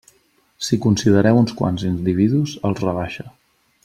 Si considereu uns quants individus, els rebaixa.